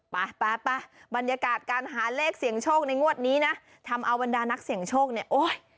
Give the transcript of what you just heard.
ไปไปบรรยากาศการหาเลขเสียงโชคในงวดนี้นะทำเอาบรรดานักเสี่ยงโชคเนี่ยโอ้ย